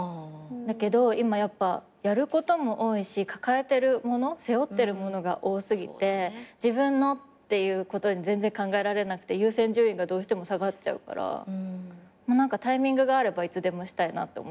だけど今やっぱやることも多いし抱えてるもの背負ってるものが多過ぎて自分のっていうことに全然考えられなくて優先順位がどうしても下がっちゃうから何かタイミングがあればいつでもしたいなって思ってる。